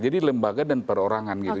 jadi lembaga dan perorangan gitu